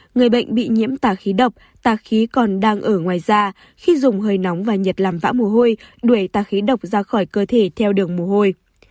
người bệnh bị nhiễm tạ khí độc tạ khí còn đang ở ngoài da khi dùng hơi nóng và nhật làm vã mồ hôi đuổi tạ khí độc ra khỏi cơ thể theo đường mồ hôi